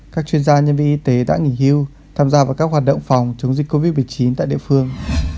các chuyên gia nhân viên y tế đã nghỉ hưu tham gia vào các hoạt động phòng chống dịch covid một mươi chín tại địa phương